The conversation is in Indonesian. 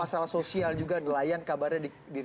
masalah sosial juga nelayan kabarnya di